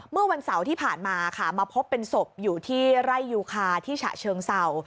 เมื่อวันเสาร์ที่ผ่านมาค่ะมาพบเป็นศพอยู่ที่ไร่ยูคาที่ฉะเชิงเศร้า